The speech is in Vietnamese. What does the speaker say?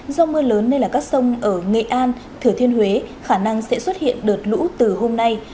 do mưa lớn nên là các sông ở nghệ an thừa thiên huế khả năng sẽ xuất hiện đợt lũ từ hôm nay